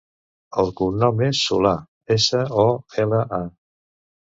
El cognom és Sola: essa, o, ela, a.